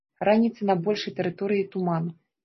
Раніцай на большай тэрыторыі туман.